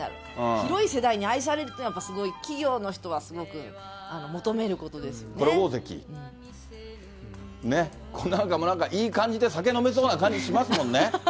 広い世代に愛される、すごい企業の人は、これ、大関？ね、これもなんかいい感じで酒飲めそうな感じしますもんね。